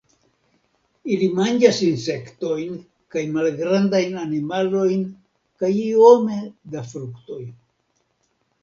Ili manĝas insektojn kaj malgrandajn animalojn kaj iome da fruktoj.